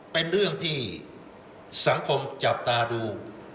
เป็นเรื่องที่สังคมจับตาดู